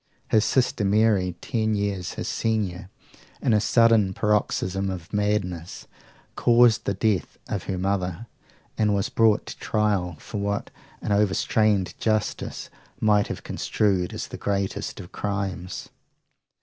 His sister Mary, ten years his senior, in a sudden paroxysm of madness, caused the death of her mother, and was brought to trial for what an overstrained justice might have construed as the greatest of crimes.